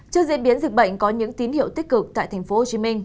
trước diễn biến dịch bệnh có những tín hiệu tích cực tại tp hcm